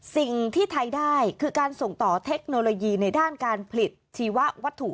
สิ่งที่ไทยได้คือการส่งต่อเทคโนโลยีในด้านการผลิตชีวัตถุ